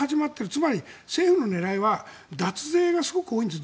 つまり、政府の狙いは脱税がすごく多いんです。